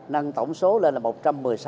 nâng tổng số lên là một trăm một mươi ba quốc gia